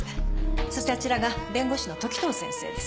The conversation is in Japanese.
そしてあちらが弁護士の時任先生です。